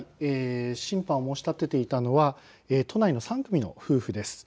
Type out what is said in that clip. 審判を申し立てていたのは都内の３組の夫婦です。